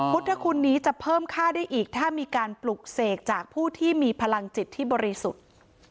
พุทธคุณนี้จะเพิ่มค่าได้อีกถ้ามีการปลุกเสกจากผู้ที่มีพลังจิตที่บริสุทธิ์